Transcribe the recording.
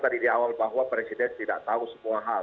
tadi di awal bahwa presiden tidak tahu semua hal